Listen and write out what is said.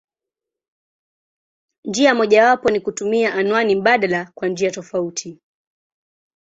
Njia mojawapo ni kutumia anwani mbadala kwa jina tofauti.